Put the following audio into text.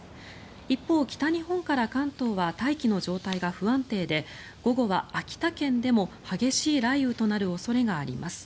一方、北日本から関東は大気の状態が不安定で午後は、秋田県でも激しい雷雨となる恐れがあります。